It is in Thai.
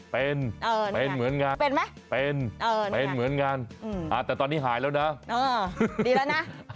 เป็นเหมือนงานเป็นเหมือนงานแต่ตอนนี้หายแล้วนะดีแล้วใช่ไหม